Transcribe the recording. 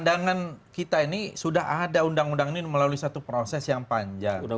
dan kita ini sudah ada undang undang ini melalui satu proses yang panjang